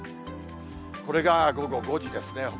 これが午後５時ですね。